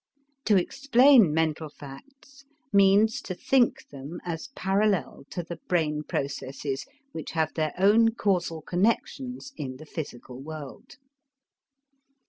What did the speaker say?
To explain mental facts means to think them as parallel to the brain processes which have their own causal connections in the physical world.